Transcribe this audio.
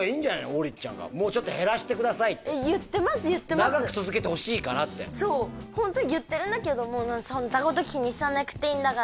王林ちゃんがもうちょっと減らしてください言ってます言ってます長く続けてほしいからってそうホント言ってるんだけども「そんだこと気にさなくていいんだから」